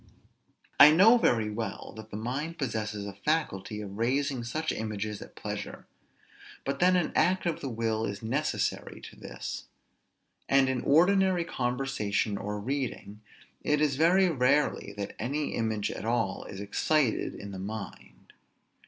I know very well that the mind possesses a faculty of raising such images at pleasure; but then an act of the will is necessary to this; and in ordinary conversation or reading it is very rarely that any image at all is excited in the mind.